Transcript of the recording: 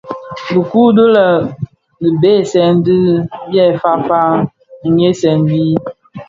Dhiku di dhibèsèn din dyè faafa nghiesèn bi.